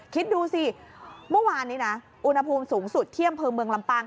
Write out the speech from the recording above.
คิดดูสิมุมวานนี้อุณหภูมิสูงสุดเที่ยมเพิงเมืองลำปาง